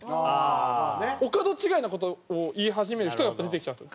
お門違いな事を言い始める人がやっぱ出てきちゃうんですよ。